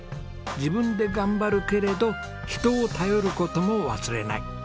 自分で頑張るけれど人を頼る事も忘れない。